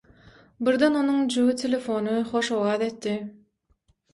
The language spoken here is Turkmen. Birden onuň jübi telefony hoş owaz etdi.